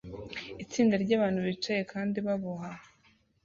Itsinda ryabantu bicaye kandi baboha